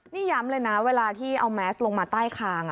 นี่ย้ำเลยนะเวลาที่เอาแมสลงมาใต้คาง